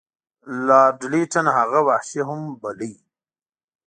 لارډ لیټن هغه وحشي هم باله.